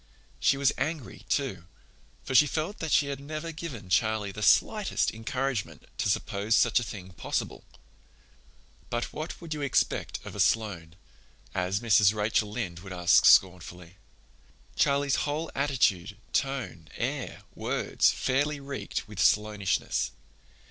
She was angry, too, for she felt that she had never given Charlie the slightest encouragement to suppose such a thing possible. But what could you expect of a Sloane, as Mrs. Rachel Lynde would ask scornfully? Charlie's whole attitude, tone, air, words, fairly reeked with Sloanishness.